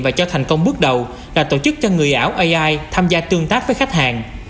và cho thành công bước đầu là tổ chức cho người ảo ai tham gia tương tác với khách hàng